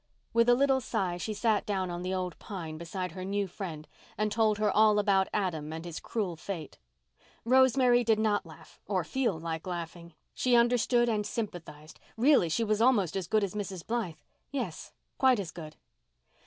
With a little sigh she sat down on the old pine beside her new friend and told her all about Adam and his cruel fate. Rosemary did not laugh or feel like laughing. She understood and sympathized—really, she was almost as good as Mrs. Blythe—yes, quite as good.